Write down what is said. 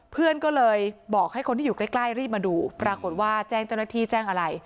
เพื่อนก็เลยบอกให้คนที่อยู่ใกล้รีบมาดูปรากฏว่าแจ้งเจ้าหน้าที่แจ้งอะไร